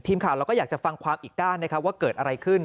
ทีมข่าวเราก็อยากจะฟังความอีกด้านนะครับว่าเกิดอะไรขึ้น